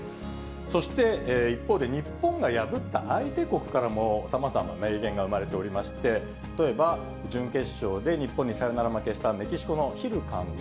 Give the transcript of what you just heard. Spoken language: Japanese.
そして、一方で日本が破った相手国からも、さまざま名言が生まれておりまして、例えば準決勝で日本にサヨナラ負けしたメキシコのヒル監督。